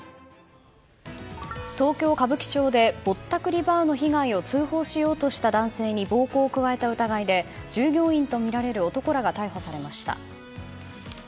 東京・歌舞伎町でぼったくりバーの被害を通報しようとした男性に暴行を加えた疑いで従業員とみられる男らが逮捕されました。